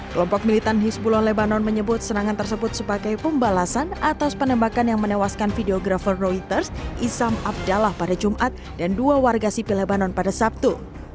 kelompok militan hisbulon lebanon menyebut serangan tersebut sebagai pembalasan atas penembakan yang menewaskan videographer reuters isam abdallah pada jumat dan dua warga sipil lebanon pada sabtu